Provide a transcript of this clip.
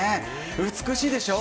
美しいでしょう。